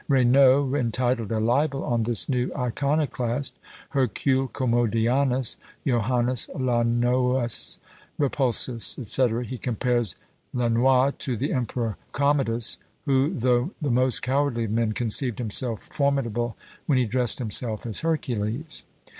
Raynaud entitled a libel on this new iconoclast, "Hercules Commodianus Joannes Launoius repulsus," &c. he compares Launoi to the Emperor Commodus, who, though the most cowardly of men, conceived himself formidable when he dressed himself as Hercules.